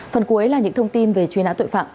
phần cuối là những thông tin về truy nã tội phạm